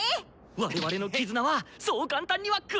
我々の絆はそう簡単には崩せない！